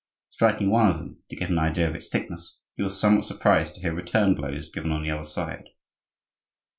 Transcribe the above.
Striking one of them to get an idea of its thickness, he was somewhat surprised to hear return blows given on the other side.